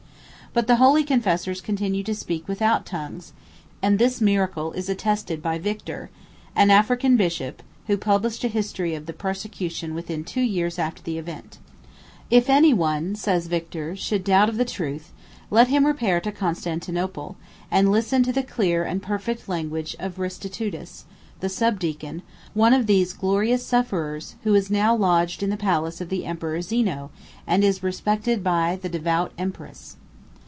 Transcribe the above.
But the holy confessors continued to speak without tongues; and this miracle is attested by Victor, an African bishop, who published a history of the persecution within two years after the event. 123 "If any one," says Victor, "should doubt of the truth, let him repair to Constantinople, and listen to the clear and perfect language of Restitutus, the sub deacon, one of these glorious sufferers, who is now lodged in the palace of the emperor Zeno, and is respected by the devout empress."